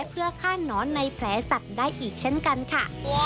เพื่อฆ่านอนในแผลสัตว์ได้อีกเช่นกันค่ะ